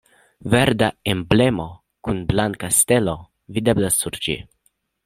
Verda emblemo kun blanka stelo videblas sur ĝi.